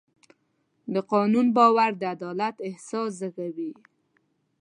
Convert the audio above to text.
د قانون باور د عدالت احساس زېږوي.